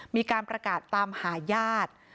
มีการประกาศตามหาญาติ